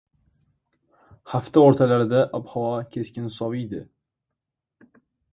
Hafta o‘rtalarida ob-havo keskin soviydi